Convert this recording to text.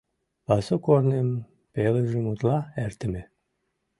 Пасу корным пелыжым утла эртыме.